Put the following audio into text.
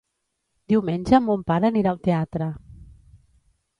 Diumenge mon pare anirà al teatre.